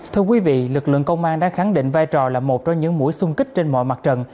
thưa quý vị lực lượng công an đã khẳng định vai trò là một trong những mũi xung kích trên mọi mặt trận